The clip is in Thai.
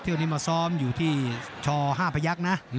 ที่วันนี้มาซ้อมอยู่ที่ชห้าพยักษ์นะ